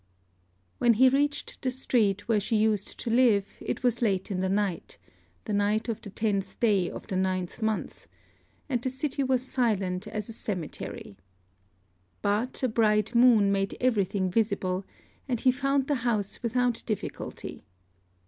When he reached the street where she used to live, it was late in the night, the night of the tenth day of the ninth month; and the city was silent as a cemetery. But a bright moon made everything visible; and he found the house without difficulty.